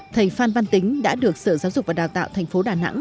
thầy phan văn tính đã được sở giáo dục và đào tạo tp đà nẵng